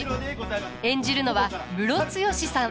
演じるのはムロツヨシさん。